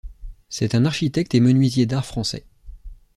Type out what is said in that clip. C'est un architecte et menuisier d'art français.